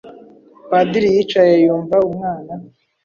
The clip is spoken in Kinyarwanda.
Padiri yicaye yumva umwana;